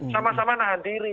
sama sama nahan diri